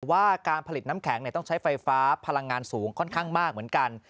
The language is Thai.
ว่าการผลิตน้ำแข็งต้องใช้ไฟฟ้าพลังงานสูงค่อนข้างมากเหมือนกัน